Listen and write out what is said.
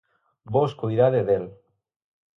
Vós coidade del.